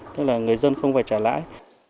thế là người dân không phải trả lãi